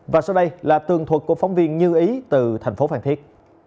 và sau đây là tường thuật của phóng viên như ý từ thành phố phan thiết